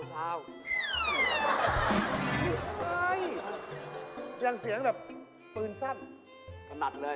ด้านขวามา๕๐คน